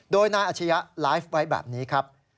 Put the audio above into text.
โดยนายอาชียะไลฟ์ไว้แบบนี้ครับ